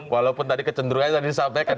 walaupun tadi kecenderungan tadi disampaikan